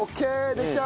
できた。